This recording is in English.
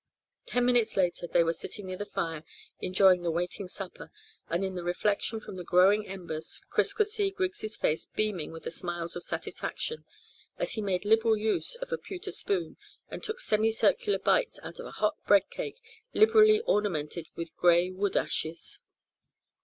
Ten minutes later they were sitting near the fire enjoying the waiting supper, and in the reflection from the glowing embers Chris could see Griggs' face beaming with the smiles of satisfaction, as he made liberal use of a pewter spoon, and took semi circular bites out of a hot bread cake liberally ornamented with grey wood ashes.